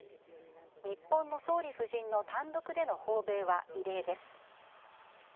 日本の総理夫人の単独での訪米は異例です。